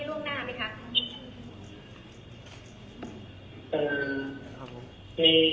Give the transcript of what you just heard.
อ่าไม่ดีครับ